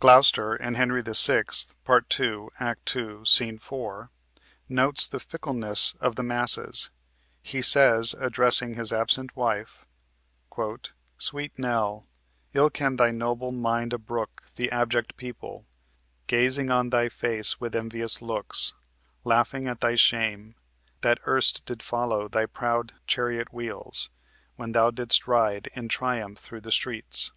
Gloucester in "Henry VI." (Part 2, Act 2, Sc. 4) notes the fickleness of the masses. He says, addressing his absent wife: "Sweet Nell, ill can thy noble mind abrook The abject people, gazing on thy face With envious looks, laughing at thy shame, That erst did follow thy proud chariot wheels When thou didst ride in triumph through the streets."